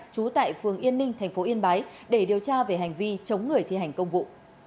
trú tại phường yên ninh tp yên bái để điều tra về hành vi chống người thi hành công vụ